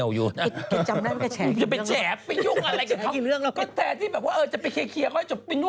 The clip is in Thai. ว่าวงเบอร์